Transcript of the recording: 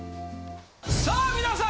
さあ皆さん！